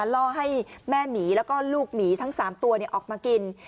แล้วก็ลูกหมีทั้ง๓ตัวออกมากิน